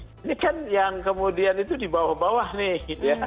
ini kan yang kemudian itu di bawah bawah nih